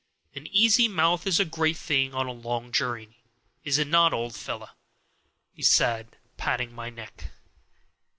An easy mouth is a great thing on a long journey, is it not, old fellow?" he said, patting my neck.